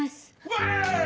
わい！